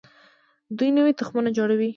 دوی نوي تخمونه جوړوي.